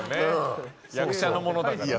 役者のものだからね。